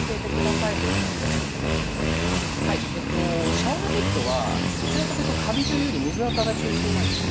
シャワーヘッドはどちらかというとカビというより水あかが中心なんですね。